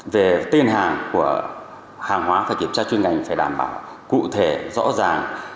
về tên hàng của hàng hóa phải kiểm tra chuyên ngành phải đảm bảo cụ thể rõ ràng